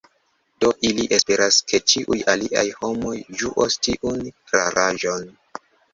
Do ili esperas, ke ĉiuj aliaj homoj ĝuos tiun raraĵon.